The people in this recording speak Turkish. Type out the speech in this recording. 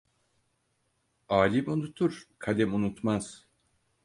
Alim unutur, kalem unutmaz!